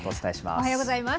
おはようございます。